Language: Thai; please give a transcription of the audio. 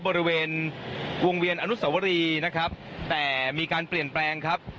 บริเวณวงเวียนอนุสวรีนะครับแต่มีการเปลี่ยนแปลงครับ